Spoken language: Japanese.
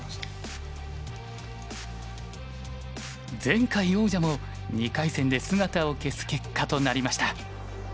前回王者も２回戦で姿を消す結果となりました。